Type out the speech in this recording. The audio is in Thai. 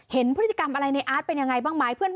เห็นพฤติกรรมอะไรในอาร์ตเป็นยังไงบ้างไหม